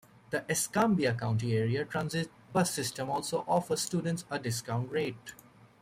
The Escambia County Area Transit bus system also offers students a discount rate.